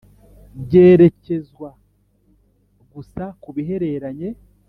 ryerekezwa gusa ku bihereranye